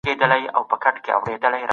پوهانو ويلي دي چي بيان بايد آزاد وي.